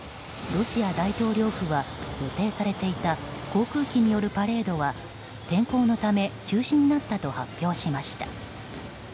ロシア大統領府は予定されていた航空機によるパレードは天候のため中止になったと発表しました。